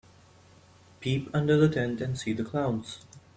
Peep under the tent and see the clowns.